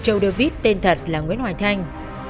châu david tên thật là nguyễn hoài thanh